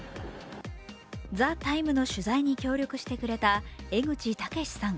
「ＴＨＥＴＩＭＥ，」の取材に協力してくれた江口武さん。